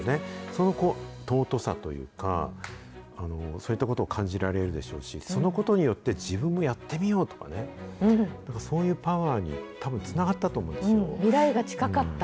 その尊さというか、そういったことを感じられるでしょうし、そのことによって自分もやってみようとかね、なんか、そういうパワーに、たぶんつながったと思うんで未来が近かった。